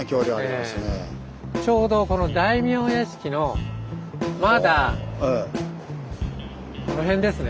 ちょうどこの大名屋敷のまだこの辺ですね